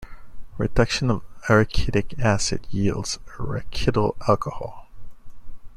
Reduction of arachidic acid yields arachidyl alcohol.